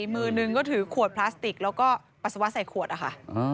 มือนึงก็ถือขวดพลาสติกแล้วก็ปัสสาวะใส่ขวดอะค่ะ